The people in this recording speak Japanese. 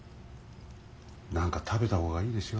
何か食べた方がいいですよ。